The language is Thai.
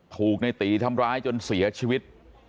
ถูกในตีทำร้ายจนเสียชีวิต